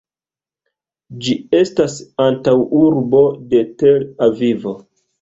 Ĝi estas antaŭurbo de Tel-Avivo.